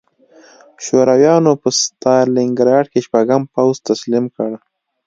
شورویانو په ستالینګراډ کې شپږم پوځ تسلیم کړ